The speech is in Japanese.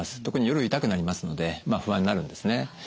特に夜痛くなりますので不安になるんですね。